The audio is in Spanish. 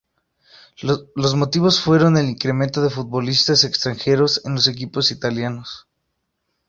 Los motivos fueron el incremento de futbolistas extranjeros en los equipos italianos.